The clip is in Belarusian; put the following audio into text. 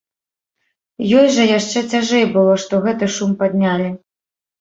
Ёй жа яшчэ цяжэй было, што гэты шум паднялі.